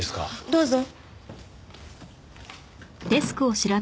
どうぞ。